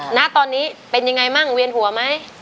ณตอนนี้เป็นยังไงบ้างเวียนหัวไหม